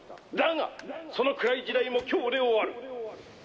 だがその暗い時代も今日で終わる。